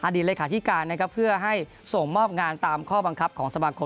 เลขาธิการนะครับเพื่อให้ส่งมอบงานตามข้อบังคับของสมาคม